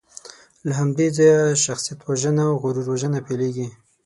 له همدې ځایه شخصیتوژنه او غرور وژنه پیلېږي.